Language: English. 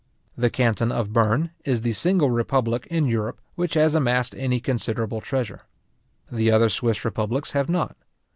The canton of Berne is the single republic in Europe which has amassed any considerable treasure. The other Swiss republics have not.